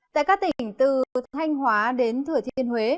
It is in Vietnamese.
tại các tỉnh từ thanh hóa đến thừa thiên huế